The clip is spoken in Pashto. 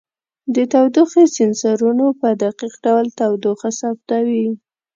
د تودوخې سینسرونو په دقیق ډول تودوخه ثبتوي.